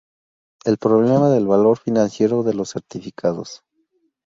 B.- El problema del valor financiero de los certificados.